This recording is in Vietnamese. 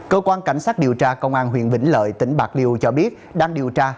cơ quan cảnh sát điều tra công an huyện vĩnh lợi tỉnh bạc liêu cho biết đang điều tra